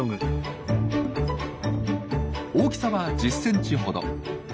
大きさは１０ｃｍほど。